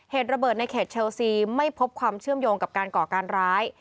เหตุระเบิดในเขตเชลซีไม่พบความเชื่อมโยงกับการก่อการร้าย